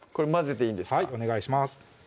はいお願いします